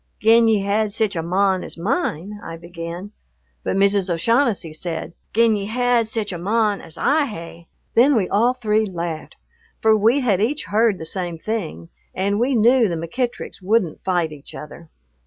"Gin ye had sic a mon as mine " I began, but Mrs. O'Shaughnessy said, "Gin ye had sic a mon as I hae." Then we all three laughed, for we had each heard the same thing, and we knew the McEttricks wouldn't fight each other.